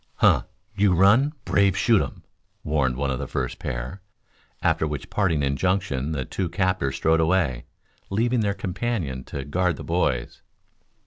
"Huh! You run, brave shoot um!" warned one of the first pair, after which parting injunction the two captors strode away, leaving their companion to guard the boys.